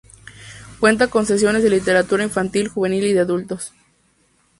Cuenta con secciones de literatura infantil, juvenil y de adultos.